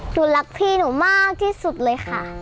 หนูรักพี่หนูมากที่สุดเลยค่ะ